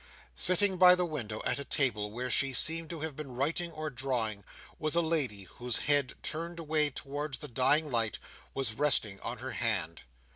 Sitting by the window at a table, where she seemed to have been writing or drawing, was a lady, whose head, turned away towards the dying light, was resting on her hand.